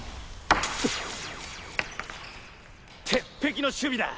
鉄壁の守備だ！